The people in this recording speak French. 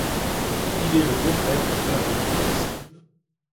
Il est le beau-frère de Berger Torrissen.